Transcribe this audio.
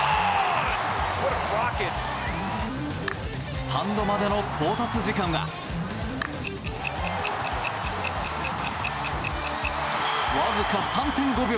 スタンドまでの到達時間はわずか３．５秒。